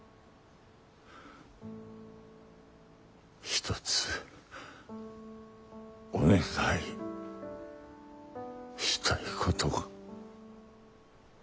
一つお願いしたいことが。